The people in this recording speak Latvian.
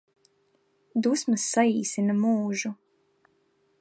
Dusmas saīsina mūžu